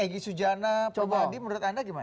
egy sujana pribadi menurut anda gimana